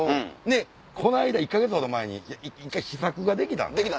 でこの間１か月ほど前に１回試作ができた。